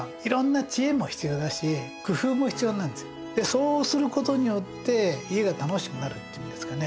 そうすることによって家が楽しくなるっていうんですかね。